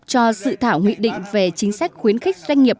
cho dự thảo nghị định về chính sách khuyến khích doanh nghiệp